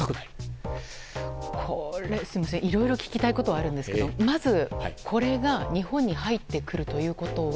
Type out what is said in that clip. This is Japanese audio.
これ、いろいろ聞きたいことはあるんですがまず、これが日本に入ってくるということは。